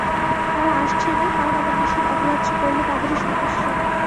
তারা আসছে না, কারণ আমার নিষেধ অগ্রাহ্য করলে তাদেরই সমস্যা।